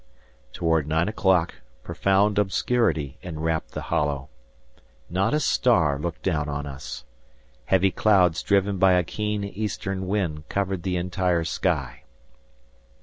Toward nine o'clock profound obscurity enwrapped the hollow. Not a star looked down on us. Heavy clouds driven by a keen eastern wind covered the entire sky.